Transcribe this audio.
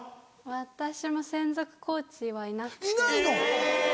私も専属コーチはいなくて。